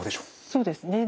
そうですね。